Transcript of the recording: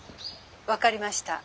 ☎分かりました。